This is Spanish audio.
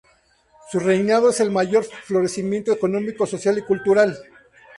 Su reinado es el mayor florecimiento económico, social y cultural.